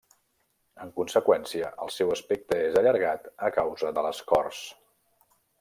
En conseqüència, el seu aspecte és allargat a causa de l'escorç.